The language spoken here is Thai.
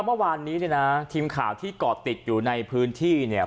เมื่อวานนี้เนี่ยนะทีมข่าวที่ก่อติดอยู่ในพื้นที่เนี่ย